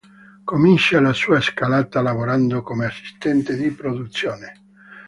Comincia la sua scalata lavorando come assistente di produzione.